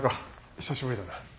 久しぶりだな。